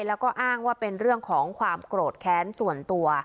แล้วก็อ้างว่าเป็นเรื่องของความโกรธแค้นส่วนตัว